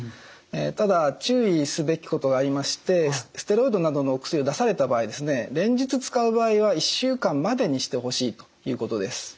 ただ注意すべきことがありましてステロイドなどのお薬を出された場合連日使う場合は１週間までにしてほしいということです。